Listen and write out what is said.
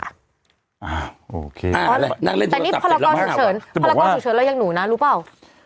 อ่าโอเคนั่งเล่นโทรศัพท์เสร็จแล้วไหมครับจะบอกว่าแต่นี่พละกรสุเฉินพละกรสุเฉินเรายังหนูนะรู้เปล่า